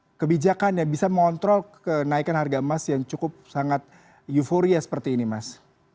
apa kebijakan yang bisa mengontrol kenaikan harga emas yang cukup sangat euforia seperti ini mas